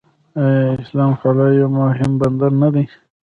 آیا اسلام قلعه یو مهم بندر نه دی؟